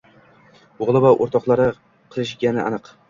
O`g`li va o`rtoqlari qilishgani aniq